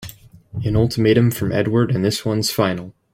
An ultimatum from Edward and this one's final!